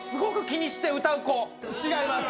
違います。